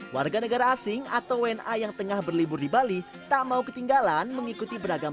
warga negara asing atau wna yang tengah berlibur di bali tak mau ketinggalan mengikuti beragam